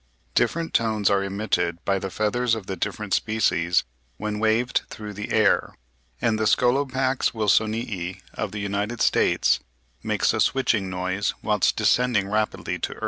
Different tones are emitted by the feathers of the different species when waved through the air; and the Scolopax Wilsonii of the United States makes a switching noise whilst descending rapidly to the earth.